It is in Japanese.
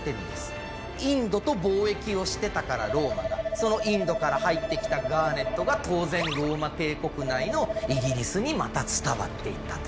そのインドから入ってきたガーネットが当然ローマ帝国内のイギリスにまた伝わっていったと。